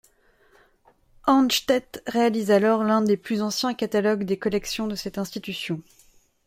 Hornstedt réalise alors l’un des plus anciens catalogues des collections de cette institution.